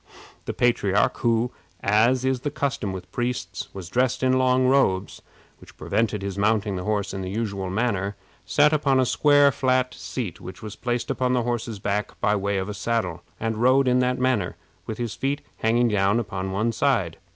The patriarch, who, as is the custom with priests, was dressed in long robes, which prevented his mounting the horse in the usual manner, sat upon a square flat seat which was placed upon the horse's back by way of saddle, and rode in that manner, with his feet hanging down upon one side.